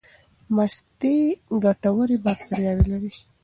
مستې ګټورې باکتریاوې لري.